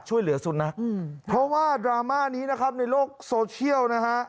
ช่วยเหลือสุดนะอืมเพราะว่าดราม่านี้นะครับในโลกโซเชียลนะฮะ